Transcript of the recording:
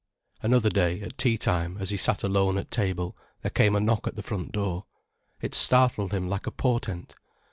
Another day, at tea time, as he sat alone at table, there came a knock at the front door. It startled him like a portent.